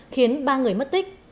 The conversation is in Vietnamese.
khiến ba người mất tích